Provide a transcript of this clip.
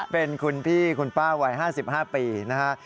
เป็นคุณพี่คุณป้าวัย๕๕ปีนะฮะ